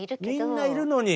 みんないるのに。